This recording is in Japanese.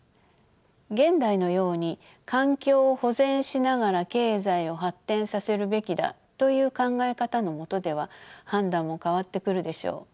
現代のように環境を保全しながら経済を発展させるべきだという考え方のもとでは判断も変わってくるでしょう。